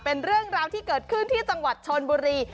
เป็นเรื่องราวที่เกิดขึ้นที่จังหวัดชนบุรี